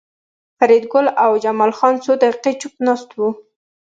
فریدګل او جمال خان څو دقیقې چوپ ناست وو